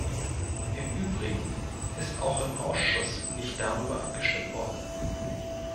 Im übrigen ist auch im Ausschuss nicht darüber abgestimmt worden.